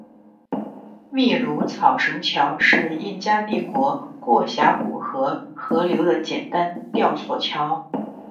秘鲁草绳桥是印加帝国过峡谷和河流的简单吊索桥。